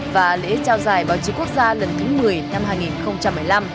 và lễ trao giải báo chí quốc gia lần thứ một mươi năm hai nghìn một mươi năm